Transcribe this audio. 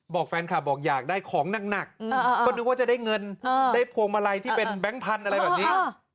บอกแฟนคลับบอกอยากได้ของหนักก็นึกว่าจะได้เงินได้พวงมาลัยที่เป็นแบงค์พันธุ์อะไรแบบนี้